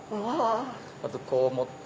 まずこう持って。